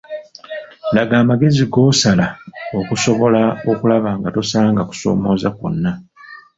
Laga amagezi g’osala okusobola okulaba nga tosanga kusomooza kwonna.